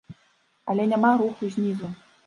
Але няма руху знізу.